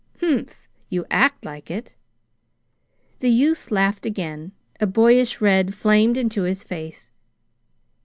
"Humph! You act like it." The youth laughed again. A boyish red flamed into his face.